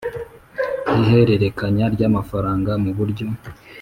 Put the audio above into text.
Ihererekanya ry amafaranga mu buryo